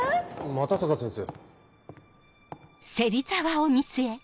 又坂先生。